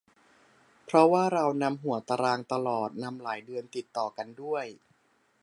เพราะว่าเรานำหัวตารางตลอด นำหลายเดือนติดต่อกันด้วย